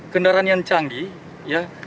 kendaraan yang canggih